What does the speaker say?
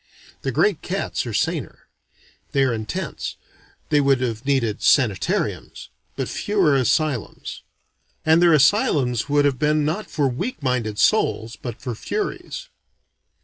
The great cats are saner. They are intense, they would have needed sanitariums: but fewer asylums. And their asylums would have been not for weak minded souls, but for furies.